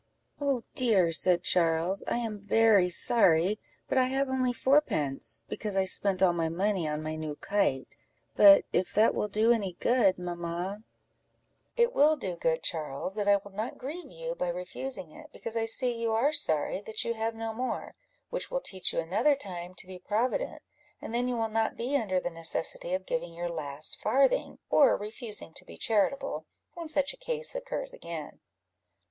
"Oh dear," said Charles, "I am very sorry, but I have only fourpence, because I spent all my money on my new kite; but if that will do any good, mamma " "It will do good, Charles, and I will not grieve you by refusing it, because I see you are sorry that you have no more, which will teach you another time to be provident, and then you will not be under the necessity of giving your last farthing, or refusing to be charitable, when such a case occurs again."